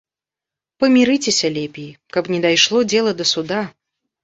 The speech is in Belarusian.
Памірыцеся лепей, каб не дайшло дзела да суда!